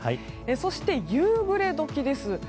そして夕暮れ時です。